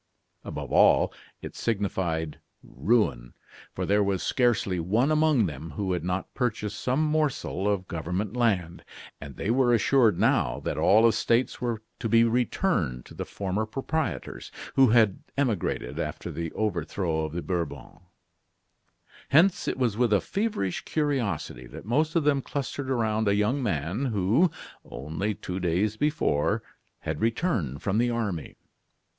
Above all, it signified ruin for there was scarcely one among them who had not purchased some morsel of government land; and they were assured now that all estates were to be returned to the former proprietors, who had emigrated after the overthrow of the Bourbons. Hence, it was with a feverish curiosity that most of them clustered around a young man who, only two days before, had returned from the army.